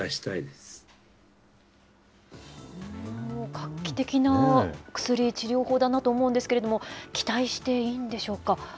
画期的な薬、治療法だなと思うんですけれども、期待していいんでしょうか。